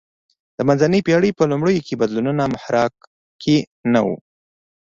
د منځنۍ پېړۍ په لومړیو کې بدلونونو محراق کې نه و